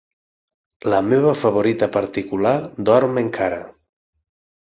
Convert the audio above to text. La meva favorita particular dorm encara.